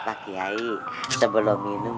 pak kiai sebelum minum